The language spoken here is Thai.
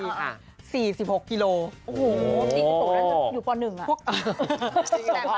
๔๖กิโลกรัมโอ้โหนี่สุดอยู่ตอนหนึ่งอ่ะ